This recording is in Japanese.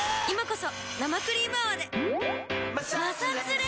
今こそ生クリーム泡で。